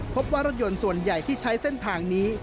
พบว่ารถยนต์ส่วนใหญ่ที่ใช้เส้นทางนี้